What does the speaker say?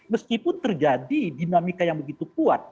meskipun terjadi dinamika yang begitu kuat